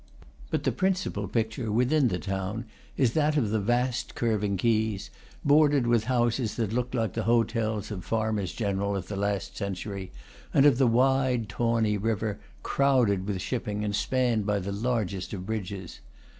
But the principal picture, within the town, is that of the vast curving quays, bordered with houses that look like the hotels of farmers general of the last cen tury, and of the wide, tawny river, crowded with ship ping and spanned by the largest of bridges.